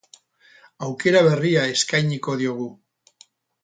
Aukera berria eskainiko diogu.